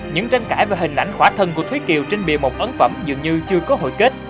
những tranh cãi và hình ảnh khỏa thân của thúy kiều trên bìa một ấn phẩm dường như chưa có hồi kết